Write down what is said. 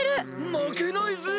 まけないぜ！